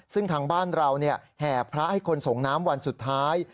ซึ่งทางบ้านเราแห่พระให้คนส่งน้ำวันสุดท้าย